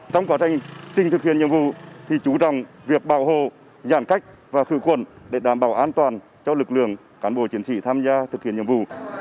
trong quá trình thực hiện nhiệm vụ thì chú trọng việc bảo hộ giãn cách và khử quần để đảm bảo an toàn cho lực lượng cán bộ chiến sĩ tham gia thực hiện nhiệm vụ